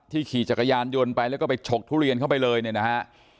ขี่จักรยานยนต์ไปแล้วก็ไปฉกทุเรียนเข้าไปเลยเนี่ยนะฮะ